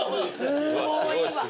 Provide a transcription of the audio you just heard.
すごいわ。